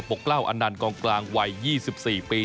ปกเล่าอันนั้นกองกลางวัย๒๔ปี